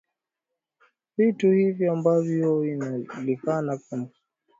Vita hiyo ambayo inajulikana kwa Kimatumbi kama Ngondo ya Mayawa yaani vita ya maboga